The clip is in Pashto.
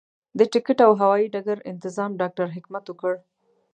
د ټکټ او هوايي ډګر انتظام ډاکټر حکمت وکړ.